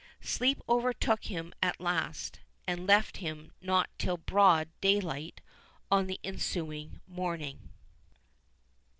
Sleep overtook him at last, and left him not till broad daylight on the ensuing morning.